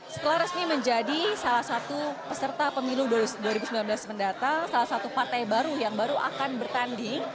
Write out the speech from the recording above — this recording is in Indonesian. setelah resmi menjadi salah satu peserta pemilu dua ribu sembilan belas mendatang salah satu partai baru yang baru akan bertanding